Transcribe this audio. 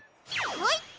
はい！